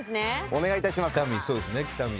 お願いいたします。